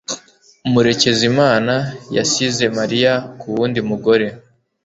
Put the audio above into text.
Murekezimana yasize Mariya ku wundi mugore.